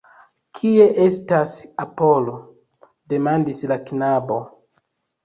Kie estas Apolo? demandis la knabo.